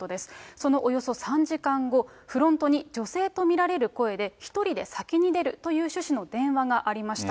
そのおよそ３時間後、フロントに女性と見られる声で、１人で先に出るという趣旨の電話がありました。